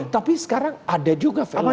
tapi sekarang ada juga fenomena